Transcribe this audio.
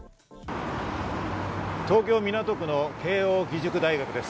東京・港区の慶應義塾大学です。